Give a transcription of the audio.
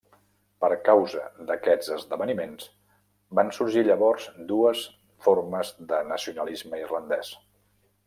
Per causa d'aquests esdeveniments, van sorgir llavors dues formes de nacionalisme irlandès.